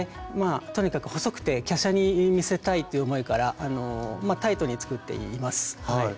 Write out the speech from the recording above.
とにかく細くて華奢に見せたいという思いからまあタイトに作っています。